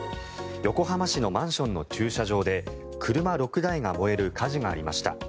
横浜市のマンションの駐車場で車６台が燃える火事がありました。